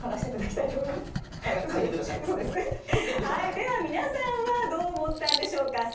はいではみなさんはどうおもったんでしょうか？